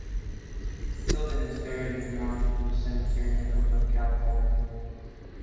Tilden is buried in Mountain View Cemetery in Oakland, California.